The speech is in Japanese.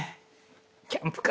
キャンプか。